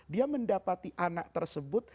dia mendapati anak tersebut